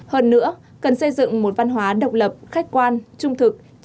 hơn nữa cần xây dựng một văn hóa độc lập khách quan trung thực